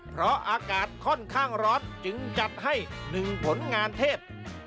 เพราะอากาศค่อนข้างร้อนจึงจัดให้๑ผลงานเทศ